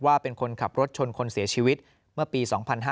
ว่าเป็นคนขับรถชนคนเสียชีวิตเมื่อปี๒๕๕๙